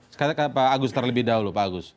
sekarang pak agus terlebih dahulu pak agus